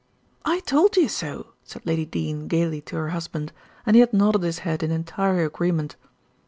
"I told you so," said Lady Dene gaily to her husband, and he had nodded his head in entire agreement.